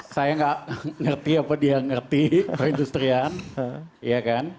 saya gak ngerti apa dia ngerti perindustrian